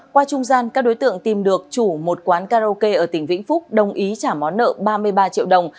qua trung gian các đối tượng tìm được chủ một quán karaoke ở tỉnh vĩnh phúc đồng ý trả món nợ ba mươi ba triệu đồng